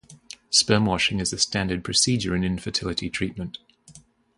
Sperm washing is a standard procedure in infertility treatment.